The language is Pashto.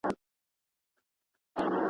که ټیکنالوژي نوې سي تولید به لوړ سي.